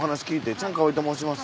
チャン・カワイと申します。